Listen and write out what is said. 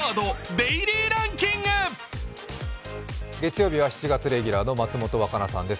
月曜日は７月レギュラーの松本若菜さんです。